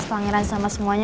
pangeran sama semuanya